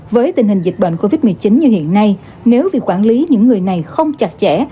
với tình hình dịch bệnh covid một mươi chín như hiện nay nếu việc quản lý những người này không chặt chẽ